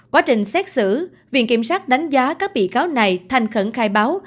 quá trình xét xử viện kiểm sát đánh giá các bị cáo này thành khẩn khai báo